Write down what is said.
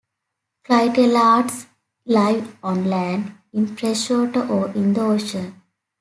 Clitellates live on land, in freshwater or in the ocean.